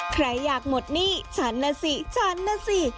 ใครอยากหมดหนี้ฉันน่ะสิฉันน่ะสิ